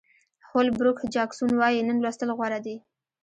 هول بروک جاکسون وایي نن لوستل غوره دي.